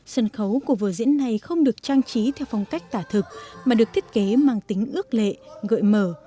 sân khấu của vở diễn này không được trang trí theo phong cách tả thực mà được thiết kế mang tính ước lệ gợi mở